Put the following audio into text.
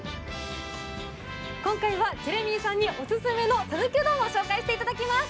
今回はジェレミーさんにオススメの讃岐うどんをご紹介していただきます。